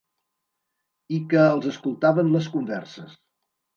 I que els escoltaven les converses.